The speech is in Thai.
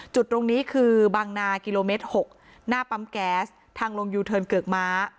จุดตรงนี้คือบางนากิโลเมตร๖หน้าปั๊มแก๊สทางลงยูเทิร์นเกือกม้า